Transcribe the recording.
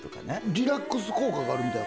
リラックス効果があるみたいな。